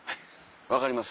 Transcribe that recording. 分かります？